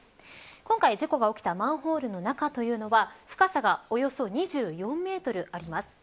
今回、事故が起きたマンホールの中は深さがおよそ２４メートルあります。